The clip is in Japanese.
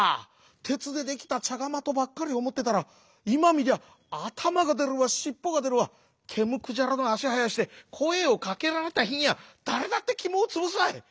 てつでできたちゃがまとばっかりおもってたらいまみりゃあたまがでるわしっぽがでるわけむくじゃらのあしはやしてこえをかけられたひにゃだれだってきもをつぶすわい。